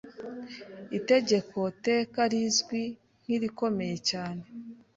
itegeko teka rizwi nkirikomeye cyane